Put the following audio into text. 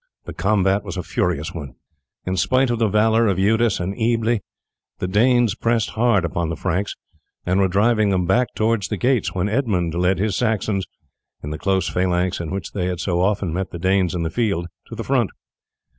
The combat was a furious one. In spite of the valour of Eudes and Ebble the Danes pressed hard upon the Franks, and were driving them back towards the gates when Edmund led his Saxons, in the close phalanx in which they had so often met the Danes in the field, to the front.